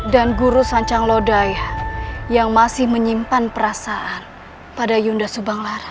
dan guru sancang lodaya yang masih menyimpan perasaan pada yunda subang lara